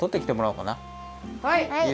はい。